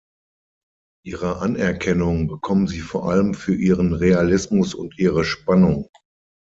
Ihre Anerkennung bekommen sie vor allem für ihren Realismus und ihre Spannung.